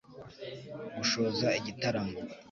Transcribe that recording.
gushoza igitaramo